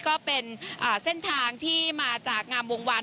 ก็เป็นเส้นทางที่มาจากงามวงวัน